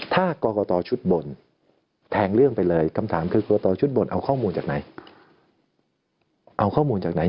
ถ้ากรกตขุดบ่นแทงเรื่องไปเลยคำถามกรกตขุดบ่นเอาข้อมูลจากไหน